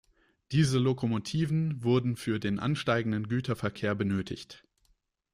Diese Lokomotiven wurden für den ansteigenden Güterverkehr benötigt.